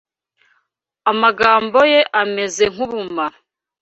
amagambo ye ameze nk’ ubumara